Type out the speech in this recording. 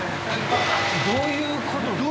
どういうことですか？